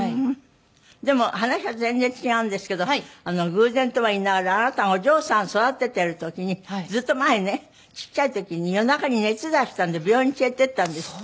でも話は全然違うんですけど偶然とは言いながらあなたがお嬢さんを育ててる時にずっと前ねちっちゃい時に夜中に熱出したんで病院に連れて行ったんですって？